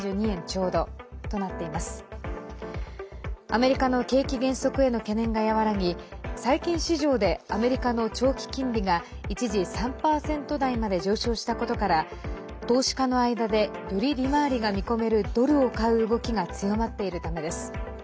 アメリカの景気減速への懸念が和らぎ債券市場でアメリカの長期金利が一時３％台まで上昇したことから投資家の間でより利回りが見込めるドルを買う動きが強まっているためです。